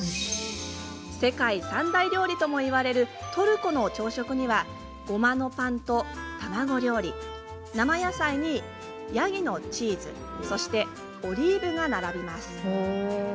世界三大料理とも言われるトルコの朝食にはごまのパンと卵料理生野菜にヤギのチーズそしてオリーブが並びます。